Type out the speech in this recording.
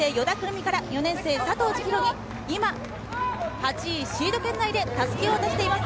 巳から４年生・佐藤千紘に今、８位シード権内で襷を渡しています。